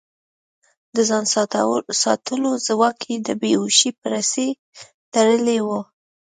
د ځان ساتلو ځواک يې د بې هوشۍ په رسۍ تړلی و.